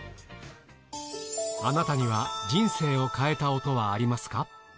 あなたには人生を変えた音はありますか？